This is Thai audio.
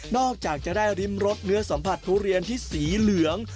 จากจะได้ริมรสเนื้อสัมผัสทุเรียนที่สีเหลือง